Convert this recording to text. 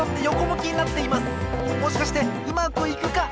もしかしてうまくいくか！？